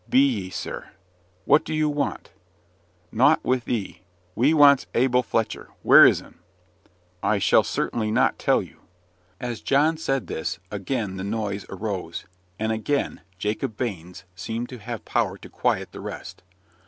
"Be ye, sir." "What do you want?" "Nought wi' thee. We wants Abel Fletcher. Where is 'um?" "I shall certainly not tell you." As John said this again the noise arose, and again Jacob Baines seemed to have power to quiet the rest.